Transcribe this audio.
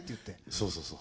そうそうそう。